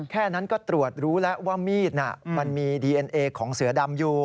แค่นั้นก็ตรวจรู้แล้วว่ามีดมันมีดีเอ็นเอของเสือดำอยู่